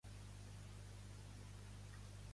Kearse va néixer a Vauxhall, Nova Jersey.